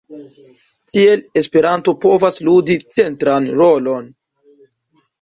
Tiel, Esperanto povas ludi centran rolon.